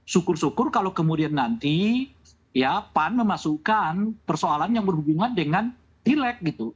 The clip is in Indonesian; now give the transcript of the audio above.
syukur syukur kalau kemudian nanti ya pan memasukkan persoalan yang berhubungan dengan pileg gitu